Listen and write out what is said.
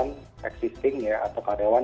yang sedang berpengalaman yang sedang berpengalaman